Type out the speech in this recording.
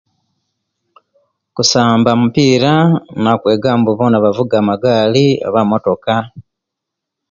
Kusamba mupira nakwega mbu bona bega Magali oba motoka